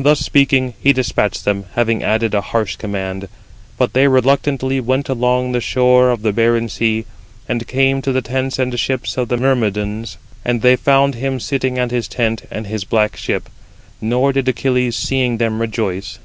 Thus speaking, he despatched them, having added 42 a harsh command. But they reluctantly went along the shore of the barren sea, and came to the tents and ships of the Myrmidons. And they found him sitting at his tent and his black ship: nor did Achilles, seeing them, rejoice.